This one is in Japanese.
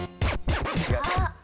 あっ！